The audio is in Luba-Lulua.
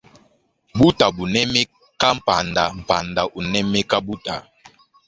Buta bunemeka panda panda unemeka buta.